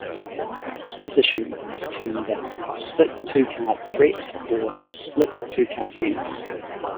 This position is termed a "split two-card threat" or "split two-card menace".